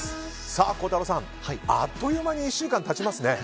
孝太郎さん、あっという間に１週間が経ちますね。